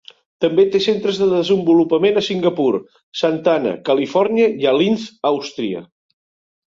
També té centres de desenvolupament a Singapur, Santa Ana, Califòrnia i a Linz, Austria.